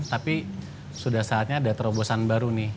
tapi sudah saatnya ada terobosan baru nih